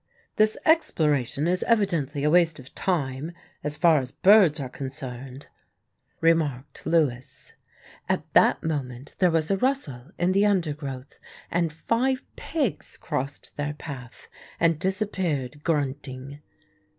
"This exploration is evidently a waste of time as far as birds are concerned," remarked Lewis. At that moment there was a rustle in the undergrowth, and five pigs crossed their path and disappeared, grunting.